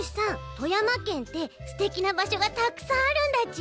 富山県ってすてきなばしょがたくさんあるんだち？